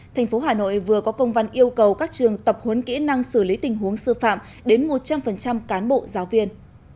thành phố hà nội vừa có công văn yêu cầu các trường tập huấn kỹ năng xử lý tình huống sư phạm đến một trăm linh cán bộ giáo viên